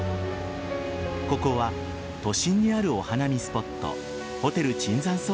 ここは都心にあるお花見スポットホテル椿山荘